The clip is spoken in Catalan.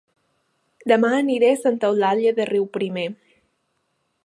Dema aniré a Santa Eulàlia de Riuprimer